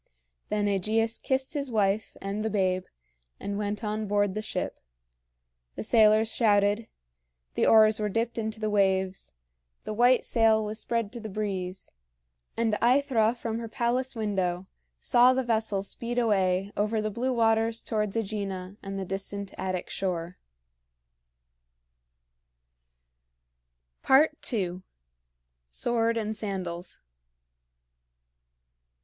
Then AEgeus kissed his wife and the babe, and went on board the ship; the sailors shouted; the oars were dipped into the waves; the white sail was spread to the breeze; and AEthra from her palace window saw the vessel speed away over the blue waters towards AEgina and the distant Attic shore. II. SWORD AND SANDALS.